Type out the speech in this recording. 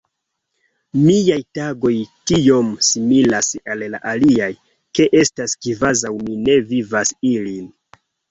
Miaj tagoj tiom similas al la aliaj, ke estas kvazaŭ mi ne vivas ilin.